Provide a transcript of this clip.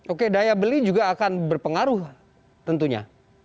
oke daya beli juga akan berpengaruh tentunya